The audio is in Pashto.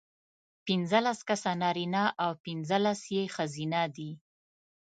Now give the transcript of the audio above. پینځلس کسه نارینه او پینځلس یې ښځینه دي.